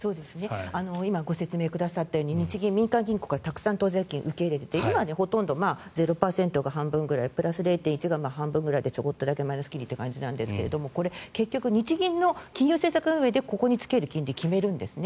今ご説明くださったように日銀、民間銀行からたくさん当座預金を受け入れていて今はほとんど０％が半分ぐらいプラス０．１％がちょこっとだけマイナス金利ですが日銀でここにつける金利を決めるんですね。